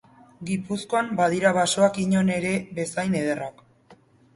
Gipuzkoan badira basoak inon ere bezain ederrak.